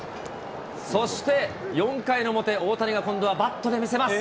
そして、４回の表、大谷が今度はバットで見せます。